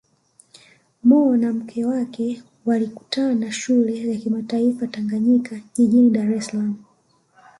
Mo na mke wake walikutana Shule ya Kimataifa ya Tanganyika jijini Dar es Salaam